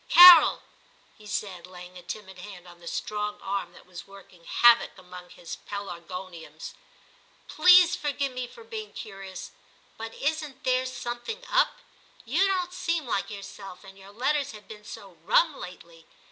'Carol/ he said, laying a timid hand on the strong arm that was working havoc among his pelargoniums, ' please forgive me for being curious, but isn't there something up "i You don't seem like yourself; and your letters have been so rum lately.